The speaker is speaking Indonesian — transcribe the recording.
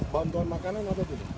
bantuan makanan apa itu